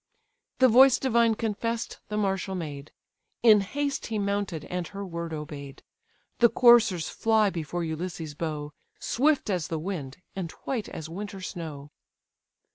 The voice divine confess'd the martial maid; In haste he mounted, and her word obey'd; The coursers fly before Ulysses' bow, Swift as the wind, and white as winter snow.